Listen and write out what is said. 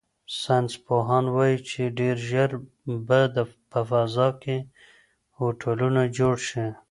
ساینس پوهان وایي چې ډیر ژر به په فضا کې هوټلونه جوړ شي.